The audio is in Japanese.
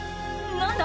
何だ？